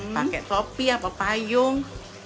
pakai topi atau payung